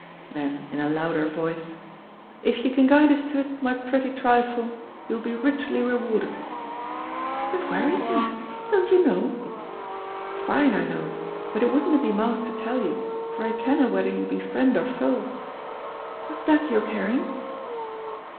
Then, in a louder voice, "If you can guide us to it, my pretty trifle, you'll be richly rewarded." "But where is he? Don't you know?" "Fine I knowest, but it wouldna be mous to tell you, for I kenna whether you be friend or foe. What's that you're carrying?"